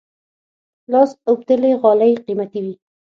لاس اوبدلي غالۍ قیمتي وي.